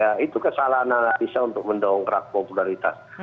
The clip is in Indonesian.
ya itu kesalahan analisa untuk mendongkrak popularitas